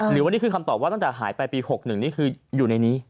หรือวันนี้คือคำตอบว่าตั้งแต่หายไปปี๖๑นี่คืออยู่ในนี้